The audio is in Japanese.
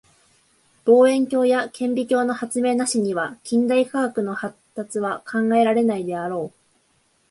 望遠鏡や顕微鏡の発明なしには近代科学の発達は考えられないであろう。